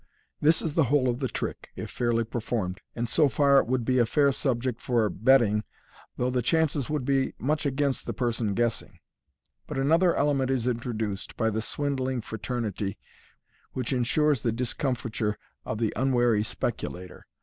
This is the whole of the trick, if fairly performed, and so far it would be a fair subject for betting, though the chances would be much against the person guessing j but another element is introduced by the swindling fraternity, which ensures the discomfiture of the unwary speculator.